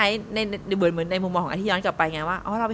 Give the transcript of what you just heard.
แล้วแบบเราก็จะแบบ